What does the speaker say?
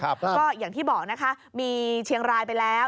ก็อย่างที่บอกนะคะมีเชียงรายไปแล้ว